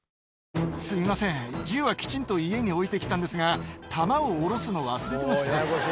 すみません、銃はきちんと家に置いてきたんですが、弾を降ろすの忘れてました。